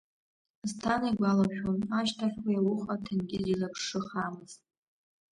Асҭана игәалашәон ашьҭахь уи ауха Ҭенгиз илаԥш шыхаамыз.